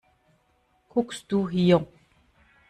Guckst du hier!